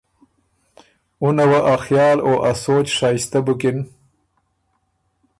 اُنه وه ا خیال او ا سوچ شائستۀ بُکِن۔